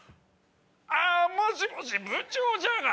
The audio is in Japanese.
あもしもし部長じゃが。